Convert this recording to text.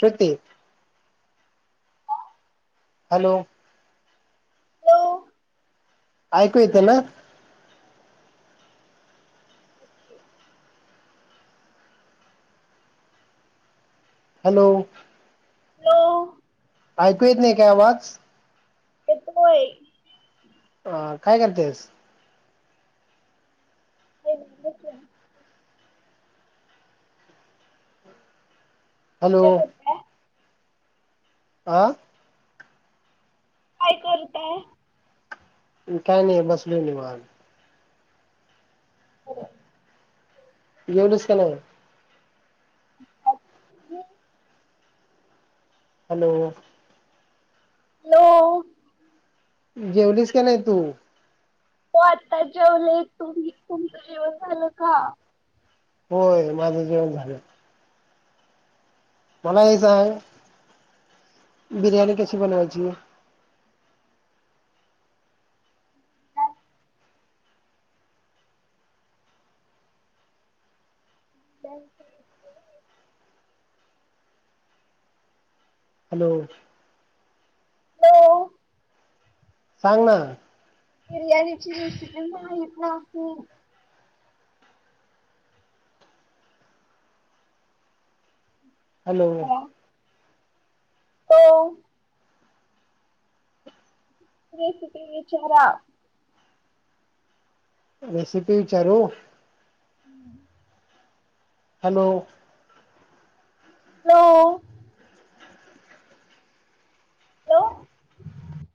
Shruti hello! Hello ऐकू येतं ना? [inaudible] हॅलो! हॅलो ऐकू येत नाही काय आवाज? येतोय काय करतेस? [inaudible] हॅलो! करताय? आ काय करताय? काय नाही बसलोय निवांत. तू जेवलीस का नाय? [inaudible] हॅलो! हो जेवलीस का नाही तू? हो आत्ता जेवले, तुम्ही तुमचं जेवण झालं का? होय माझं जेवण झालं. मला हे सांग बिरयाणी कशी बनवायची? [inaudible] हॅलो! हॅलो सांग ना? बिर्याणीची रेसिपी माहित नाही. हॅलो! हो. [unintelligible] रेसिपी विचारू? हम्म. हॅलो. हॅलो. हॅलो